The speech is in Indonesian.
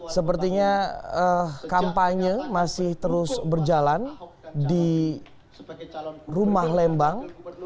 sepertinya kampanye masih terus berjalan di rumah lembang